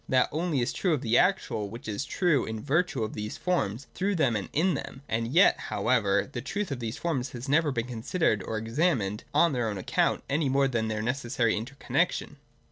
That only is true of the actual which is true in virtue of these forms, through them and in them. As yet, however, the truth of these forms has never been considered or examined on their own account any more than their necessary interconnexion.